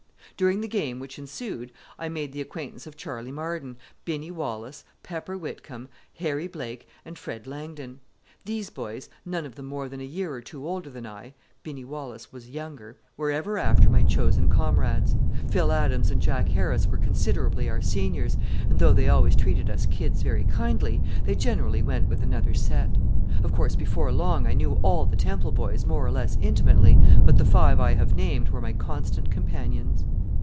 During the game which ensued I made the acquaintance of Charley Marden, Binny Wallace, Pepper Whitcomb, Harry Blake, and Fred Langdon. These boys, none of them more than a year or two older than I (Binny Wallace was younger), were ever after my chosen comrades. Phil Adams and Jack Harris were considerably our seniors, and, though they always treated us "kids" very kindly, they generally went with another set. Of course, before long I knew all the Temple boys more or less intimately, but the five I have named were my constant companions.